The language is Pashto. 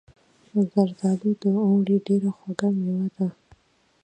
زردالو د اوړي ډیره خوږه میوه ده.